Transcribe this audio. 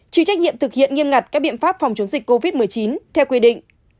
chịu trách nhiệm thực hiện nghiêm ngặt các biện pháp phòng chống dịch covid một mươi chín theo quy định